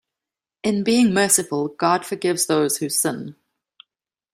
In being merciful, God forgives those who sin.